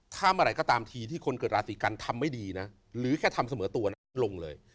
ถ้าเมื่อไหร่ก็ตามทีที่คนเกิดราศีกันทำไม่ดีนะหรือแค่ทำเสมอตัวนะลงเลย